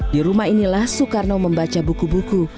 di rumah inilah soekarno membaca buku buku